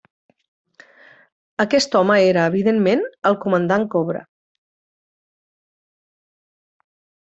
Aquest home era, evidentment, el Comandant Cobra.